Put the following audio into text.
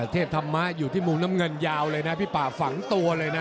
เทพธรรมะอยู่ที่มุมน้ำเงินยาวเลยนะพี่ป่าฝังตัวเลยนะ